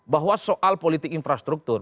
bahwa soal politik infrastruktur